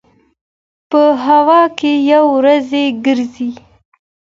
په هوا کې یې وريځې ګرځي.